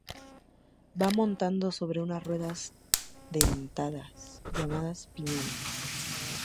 Va montada sobre unas ruedas dentadas llamadas piñones.